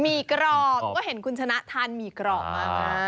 กรอบก็เห็นคุณชนะทานหมี่กรอบมาก